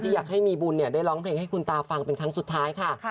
อยากให้มีบุญได้ร้องเพลงให้คุณตาฟังเป็นครั้งสุดท้ายค่ะ